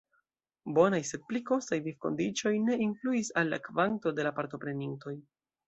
Bonaj, sed pli kostaj, vivkondiĉoj ne influis al la kvanto de la partoprenintoj.